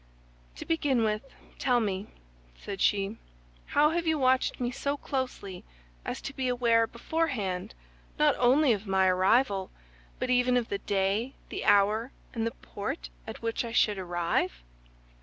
"To begin with, tell me," said she, "how have you watched me so closely as to be aware beforehand not only of my arrival, but even of the day, the hour, and the port at which I should arrive?"